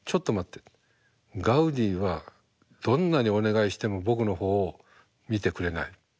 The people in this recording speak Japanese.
ガウディはどんなにお願いしても僕の方を見てくれない。